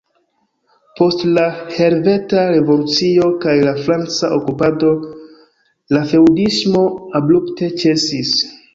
Post la helveta revolucio kaj la franca okupado la feŭdismo abrupte ĉesis.